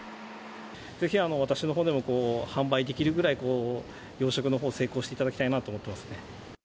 ぜひ、私のほうでも販売できるぐらい、養殖のほう成功していただきたいなと思ってますね。